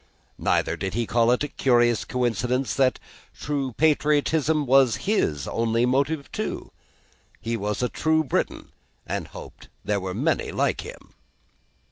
Neither did he call it a curious coincidence that true patriotism was his only motive too. He was a true Briton, and hoped there were many like him.